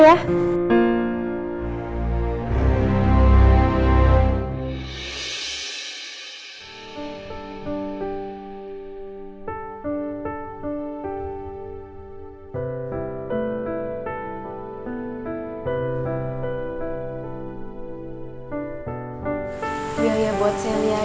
gak ada yang bisa dikira